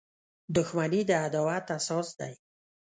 • دښمني د عداوت اساس دی.